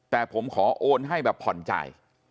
แต่ผมขอโอนให้แบบผ่อนจ่าย